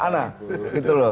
nah gitu loh